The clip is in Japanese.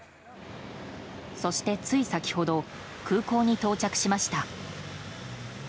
そして、つい先ほど空港に到着しました。